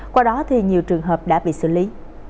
qua đó thì nhiều trường hợp đã bị xử lý